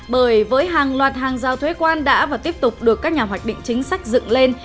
bởi với hàng loạt hàng giao thuế quan đã và tiếp tục được các nhà hoạch định chính sách dựng lên